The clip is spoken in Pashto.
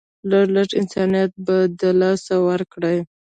لږ لږ انسانيت به د لاسه ورکړي